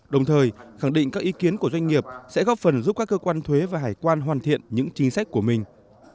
đồng thời khẳng định các ý kiến của doanh nghiệp sẽ góp phần giúp các cơ quan thuế và hải quan hoàn thiện những chính sách của mình